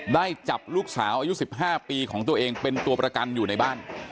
ได้จับลูกสาวอายุ๑๕ปีของตัวเองเป็นตัวประกันอยู่ในบ้าน